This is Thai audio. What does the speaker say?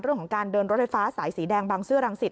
เรื่องของการเดินรถไฟฟ้าสายสีแดงบางซื่อรังสิต